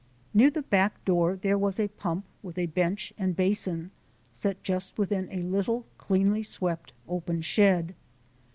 Near the back door there was a pump, with a bench and basin set just within a little cleanly swept, open shed.